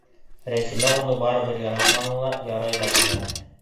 Рәсимә уны барыбер яратманы ла, ярай ҙа белмәне.